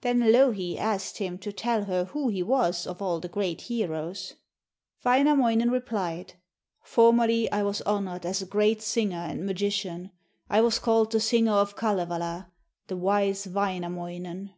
Then Louhi asked him to tell her who he was of all the great heroes. Wainamoinen replied: 'Formerly I was honoured as a great singer and magician: I was called the "Singer of Kalevala," the wise Wainamoinen.'